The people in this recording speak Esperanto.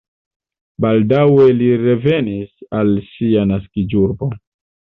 Baldaŭe li revenis al sia naskiĝurbo.